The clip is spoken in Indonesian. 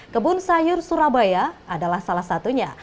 kebun sayur surabaya adalah salah satunya